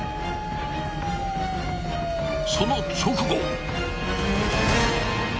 ［その直後！］